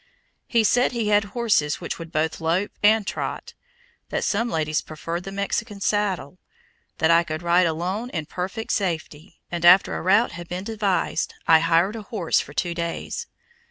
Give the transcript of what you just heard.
He said he had horses which would both "lope" and trot, that some ladies preferred the Mexican saddle, that I could ride alone in perfect safety; and after a route had been devised, I hired a horse for two days.